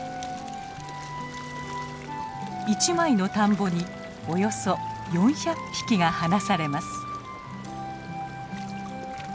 １枚の田んぼにおよそ４００匹が放されます。